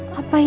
baik lah ya